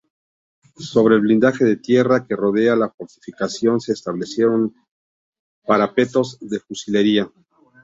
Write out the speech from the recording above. Sobre el blindaje de tierra que rodea la fortificación se establecieron parapetos de fusilería.